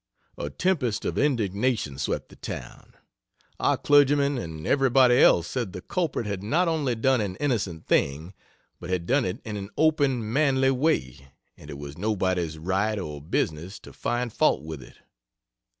A tempest of indignation swept the town. Our clergymen and everybody else said the "culprit" had not only done an innocent thing, but had done it in an open, manly way, and it was nobody's right or business to find fault with it.